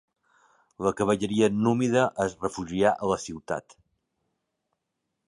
La cavalleria númida es refugià a la ciutat.